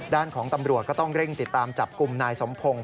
ด้านของตำรวจก็ต้องเร่งติดตามจับกลุ่มนายสมพงศ์